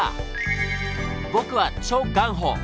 僕はチョ・ガンホ。